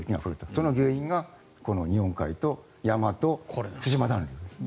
その原因がこの日本海と山と対馬暖流ですね。